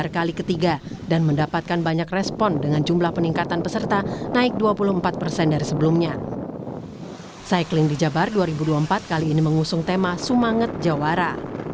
cycling di jabar dua ribu dua puluh empat kali ini mengusung tema semangat jawara